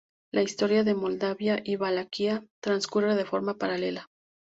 La historia de Moldavia y Valaquia transcurre de forma paralela.